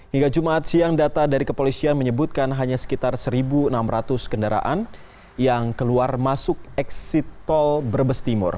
hingga jumat siang data dari kepolisian menyebutkan hanya sekitar satu enam ratus kendaraan yang keluar masuk eksit tol brebes timur